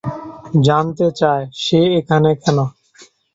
জানতে চায় সে এখানে কেন?